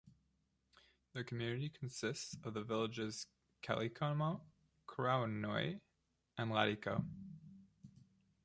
The community consists of the villages Kallikomo, Krounoi and Ladiko.